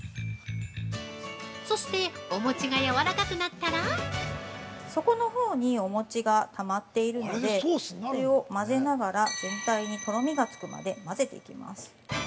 そして、お餅がやわらかくなったら◆底のほうにお餅がたまっているので、それを混ぜながら全体にとろみがつくまで混ぜていきます。